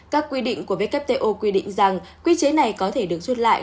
các quy định của wto quy định rằng quy chế này có thể được rút lại